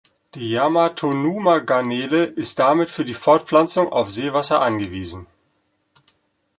Die Yamatonuma-Garnele ist damit für die Fortpflanzung auf Seewasser angewiesen.